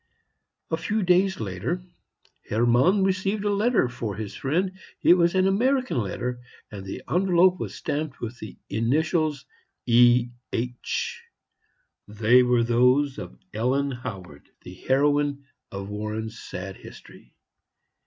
A few days later, Hermann received a letter for his friend. It was an American letter, and the envelope was stamped with the initials "E. H." They were those of Ellen Howard, the heroine of Warren's sad history.